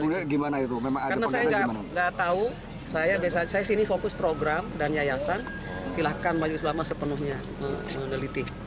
karena saya nggak tahu saya sini fokus program dan yayasan silahkan maju selama sepenuhnya meneliti